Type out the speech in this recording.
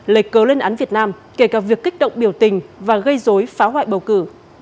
lệch cờ lên án việt nam kể cả việc kích động biểu tình và gây dối phá hoại bầu cử